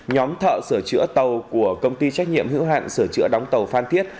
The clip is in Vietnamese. nhóm thợ sửa chữa tàu của công ty trách nhiệm hữu hạn sửa chữa đóng tàu phan thiết